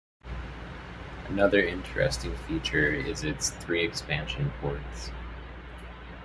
Another interesting feature is its three expansion ports.